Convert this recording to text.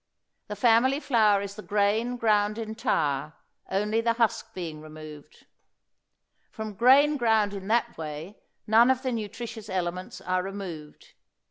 The family flour is the grain ground entire, only the husk being removed. From grain ground in that way none of the nutritious elements are removed.